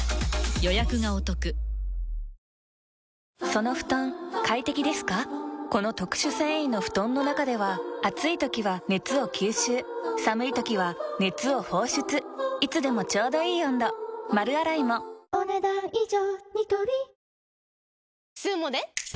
この番組はこの特殊繊維の布団の中では暑い時は熱を吸収寒い時は熱を放出いつでもちょうどいい温度丸洗いもお、ねだん以上。